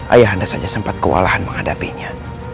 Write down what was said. ayah anda saja sempat kewalahan menghadapinya